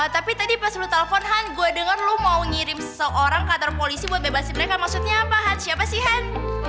tapi tadi pas lo telpon han gue denger lo mau ngirim seorang ke kantor polisi buat bebasin mereka maksudnya apa han siapa sih han